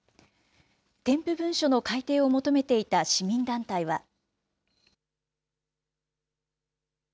添付文書の改訂を求めていた市民団体は。